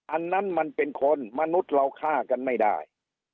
อันนั้นมันเป็นคนมนุษย์เราฆ่ากันไม่ได้